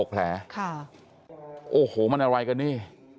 แผลโอ้โหมันอะไรกันนี่